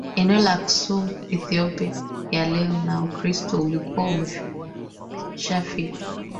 eneo la Aksum Ethiopia ya leo na Ukristo ulikuwa umeshafika